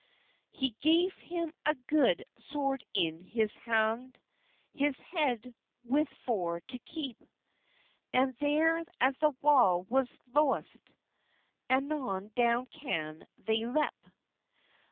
He gaf hym a gode swerd in his hond, His hed with for to kepe, And ther as the walle was lowyst Anon down can thei lepe.